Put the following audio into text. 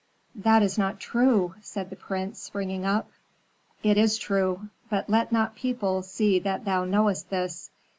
"That is not true!" said the prince, springing up. "It is true; but let not people see that thou knowest this.